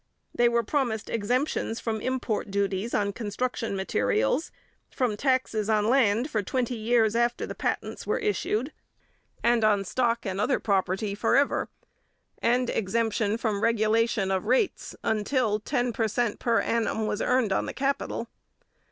They were promised exemptions from import duties on construction materials, from taxes on land for twenty years after the patents were issued and on stock and other property for ever, and exemption from regulation of rates until ten per cent per annum was earned on the capital.